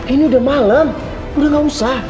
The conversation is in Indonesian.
ini udah malam udah gak usah